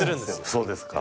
そうですか。